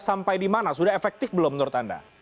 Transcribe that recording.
sampai di mana sudah efektif belum menurut anda